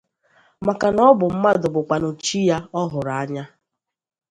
maka na ọ bụ mmadụ bụkwanụ chi ya ọ hụrụ anya